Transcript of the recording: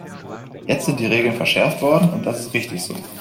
Jetzt sind die Regeln verschärft worden, und das ist richtig so.